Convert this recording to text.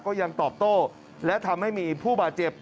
ก็ยังตอบโต้และทำให้มีผู้บาดเจ็บ